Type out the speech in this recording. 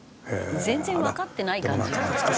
「全然わかってない感じ」